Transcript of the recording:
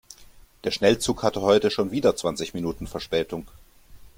Der Schnellzug hatte heute schon wieder zwanzig Minuten Verspätung.